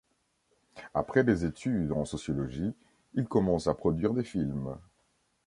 Après des études en sociologie, il commence à produire des films.